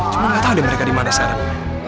cuma gak tau deh mereka dimana sekarang